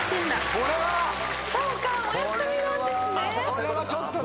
これはちょっとね。